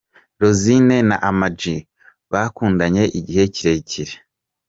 Rosine na Ama-G bakundanye igihe kirekire.